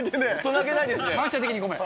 反射的にごめん。